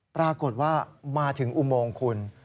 ปรากฏว่ามาถึงอุโมงคุณ